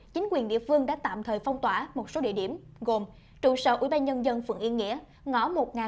chính quyền địa phương đã tạm thời phong tỏa một số địa điểm gồm trụ sở ubnd phường yên nghĩa ngõ một nghìn một trăm ba mươi bảy